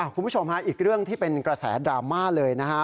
คุณผู้ชมฮะอีกเรื่องที่เป็นกระแสดราม่าเลยนะฮะ